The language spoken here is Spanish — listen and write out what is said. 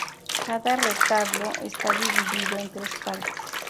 Cada retablo está dividido en tres partes.